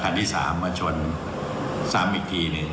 ขันที่๓บันชน๓อีกที